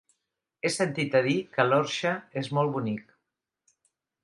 He sentit a dir que l'Orxa és molt bonic.